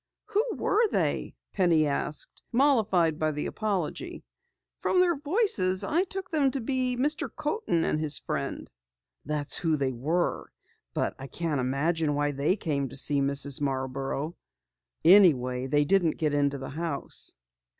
"Who were they?" Penny asked, mollified by the apology. "From their voices I took them to be Mr. Coaten and his friend." "That's who they were. But, I can't imagine why they came to see Mrs. Marborough. Anyway, they didn't get into the house."